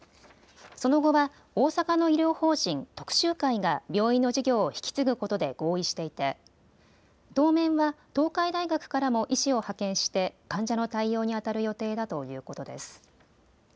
その後は大阪の医療法人徳州会が病院の事業を引き継ぐことで合意していて当面は東海大学からも医師を派遣して、患者の対応にあたる予定だということです。